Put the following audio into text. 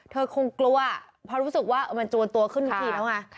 เธอคงกลัวเพราะรู้สึกว่ามันจวนตัวขึ้นทุกทีแล้วไง